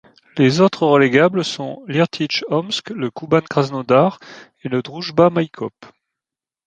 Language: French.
Les autres relégables sont l'Irtych Omsk, le Kouban Krasnodar et le Droujba Maïkop.